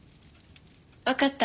わかった。